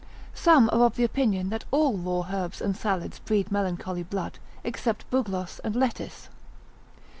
Some are of opinion that all raw herbs and salads breed melancholy blood, except bugloss and lettuce.